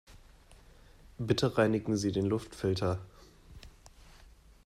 Bitte reinigen Sie den Luftfilter.